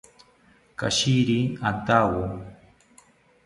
Katshiri antawo